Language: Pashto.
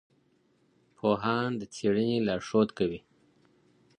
پوهان د څېړنې لارښود کوي.